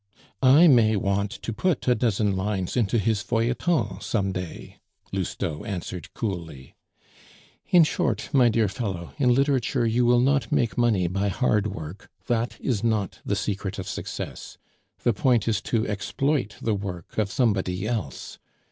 "I may want to put a dozen lines into his feuilleton some day," Lousteau answered coolly. "In short, my dear fellow, in literature you will not make money by hard work, that is not the secret of success; the point is to exploit the work of somebody else.